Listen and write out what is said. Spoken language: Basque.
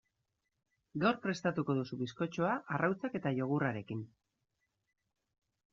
Gaur prestatuko duzu bizkotxoa arrautzak eta jogurtarekin.